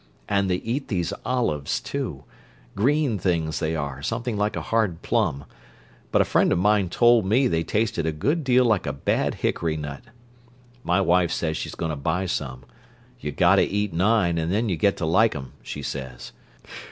And they eat these olives, too: green things they are, something like a hard plum, but a friend of mine told me they tasted a good deal like a bad hickory nut. My wife says she's going to buy some; you got to eat nine and then you get to like 'em, she says.